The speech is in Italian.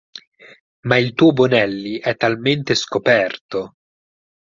Ma il tuo Bonelli è talmente scoperto!